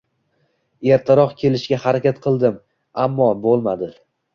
Ertaroq kelishga harakat qildim, ammo bo'lmadi.